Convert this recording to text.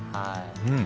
うん！